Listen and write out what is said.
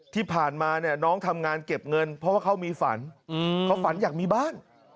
ที่ผ่านมาเนี่ยน้องทำงานเก็บเงินเพราะว่าเขามีฝันเขาฝันอยากมีบ้าน